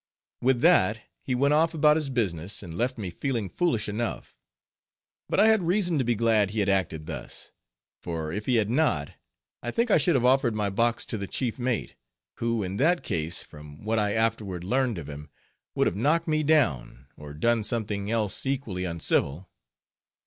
With that, he went off about his business, and left me feeling foolish enough. But I had reason to be glad he had acted thus, for if he had not, I think I should have offered my box to the chief mate, who in that case, from what I afterward learned of him, would have knocked me down, or done something else equally uncivil.